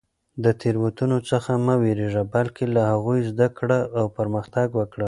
د تېروتنو څخه مه وېرېږه، بلکې له هغوی زده کړه او پرمختګ وکړه.